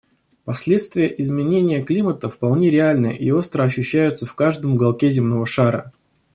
Последствия изменения климата вполне реальны и остро ощущаются в каждом уголке земного шара.